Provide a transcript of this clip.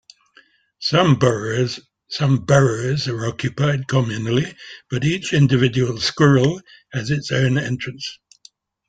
Some burrows are occupied communally but each individual squirrel has its own entrance.